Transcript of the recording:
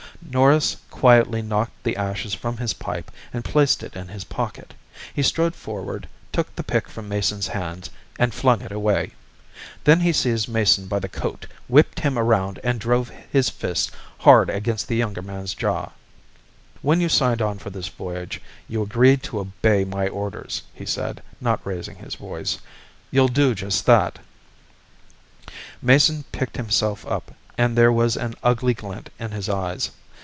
Norris quietly knocked the ashes from his pipe and placed it in his pocket. He strode forward, took the pick from Mason's hands and flung it away. Then he seized Mason by the coat, whipped him around and drove his fist hard against the younger man's jaw. "When you signed on for this voyage, you agreed to obey my orders," he said, not raising his voice. "You'll do just that." Mason picked himself up, and there was an ugly glint in his eyes.